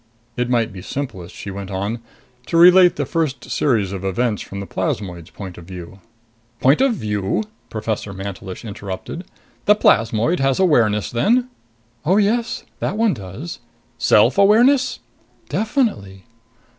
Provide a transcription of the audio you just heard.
It might be simplest, she went on, to relate the first series of events from the plasmoid's point of view. "Point of view?" Professor Mantelish interrupted. "The plasmoid has awareness then?" "Oh, yes. That one does." "Self awareness?" "Definitely."